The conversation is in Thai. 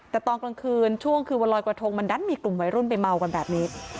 แต่ตอนกลางคืนช่วงคืนวันลอยกระทงมันดันมีกลุ่มวัยรุ่นไปเมากันแบบนี้